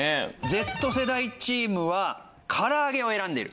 Ｚ世代チームは唐揚げを選んでいる。